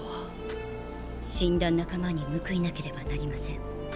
死んだ仲間に報いなければなりません。